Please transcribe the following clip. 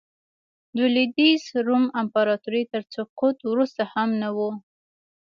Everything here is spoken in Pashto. د لوېدیځ روم امپراتورۍ تر سقوط وروسته هم نه و